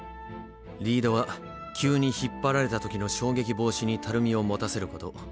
リードは急に引っ張られた時の衝撃防止にたるみを持たせること。